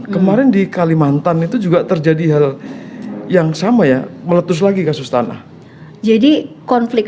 kemarin di kalimantan itu juga terjadi hal yang sama ya meletus lagi kasus tanah jadi konflik